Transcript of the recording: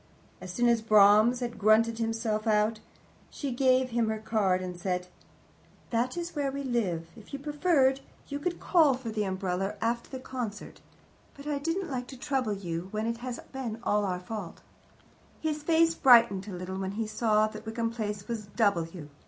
As soon as Brahms had grunted himself out, she gave him her card and said, "That is where we live; if you preferred, you could call for the umbrella after the concert, but I didn't like to trouble you when it has all been our fault." His face brightened a little when he saw that Wickham Place was W.